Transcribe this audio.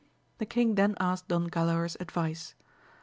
The king then asked Don Galaor's advice.